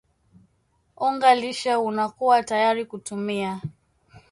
unga lishe unakua tayari kutumia